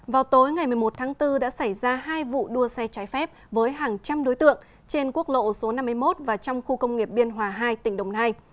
vào tối ngày một mươi một tháng bốn đã xảy ra hai vụ đua xe trái phép với hàng trăm đối tượng trên quốc lộ số năm mươi một và trong khu công nghiệp biên hòa hai tỉnh đồng nai